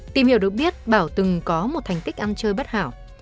tìm hiểu được biết bảo từng có một thành tích ăn chơi bất hảo